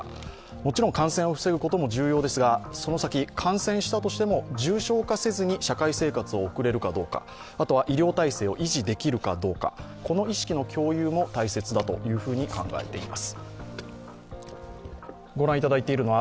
もちろん感染を防ぐことも重要ですが、その先、感染したとしても重症化せずに社会生活を送れるかどうか、あとは医療体制を維持できるかどうか、この意識の共有も大切だと考えています。